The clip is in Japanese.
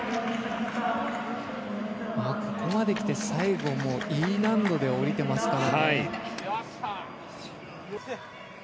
ここまできて最期、Ｅ難度で下りてますから。